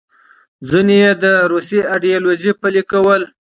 ځینې یې د روسي ایډیالوژي پلې کول.